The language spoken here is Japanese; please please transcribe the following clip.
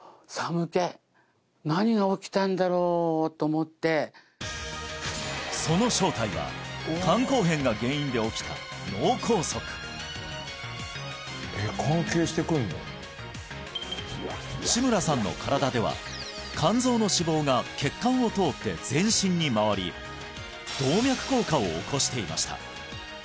ってぐらいその正体は肝硬変が原因で起きた志村さんの身体では肝臓の脂肪が血管を通って全身に回り動脈硬化を起こしていました